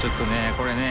これね